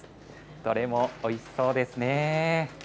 どれもおいしそうですね。